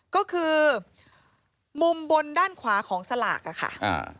ก็คือมุมบนด้านขวาของสลากอะค่ะอ่า